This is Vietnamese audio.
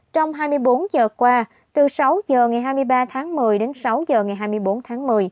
trong hai mươi bốn giờ qua từ sáu h ngày hai mươi ba tháng một mươi đến sáu h ngày hai mươi bốn tháng một mươi